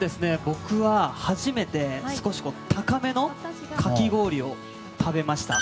僕は、初めて少し高めのかき氷を食べました。